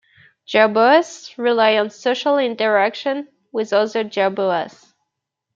Jerboas rely on social interactions with other jerboas.